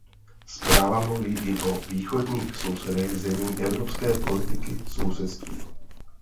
Zpráva mluví i o východních sousedech zemí Evropské politiky sousedství.